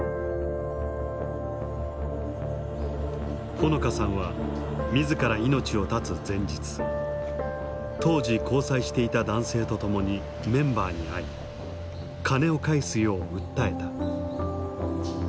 穂野香さんは自ら命を絶つ前日当時交際していた男性と共にメンバーに会い金を返すよう訴えた。